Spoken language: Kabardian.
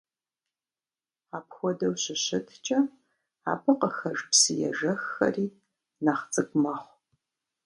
Апхуэдэу щыщыткӀэ, абы къыхэж псыежэххэри нэхъ цӀыкӀу мэхъу.